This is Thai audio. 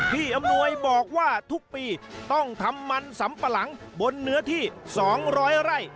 อำนวยบอกว่าทุกปีต้องทำมันสำปะหลังบนเนื้อที่๒๐๐ไร่